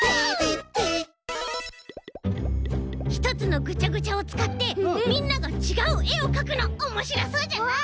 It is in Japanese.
ひとつのぐちゃぐちゃをつかってみんながちがうえをかくのおもしろそうじゃない？